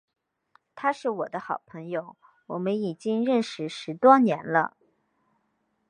他是我的好朋友，我们已经认识十多年了。